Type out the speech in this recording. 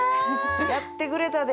やってくれたで。